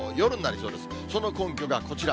その根拠がこちら。